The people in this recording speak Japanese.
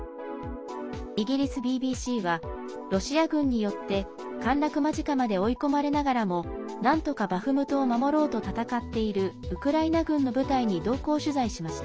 イギリスＢＢＣはロシア軍によって陥落間近まで追い込まれながらもなんとかバフムトを守ろうと戦っているウクライナ軍の部隊に同行取材しました。